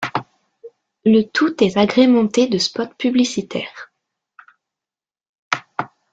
Le tout est agrémenté de spots publicitaires.